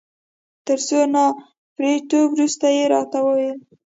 تر څو نا پړيتو وروسته يې راته وویل.